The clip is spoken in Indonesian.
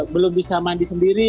belum bisa mandi sendiri